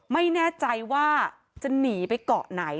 ไม่แน่ใจว่าจะหนีไปเกาะไหน